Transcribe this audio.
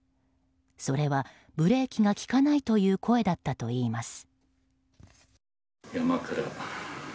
それはブレーキが利かないという声だったといいます。